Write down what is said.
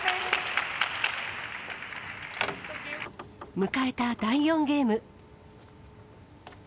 迎えた第４ゲーム。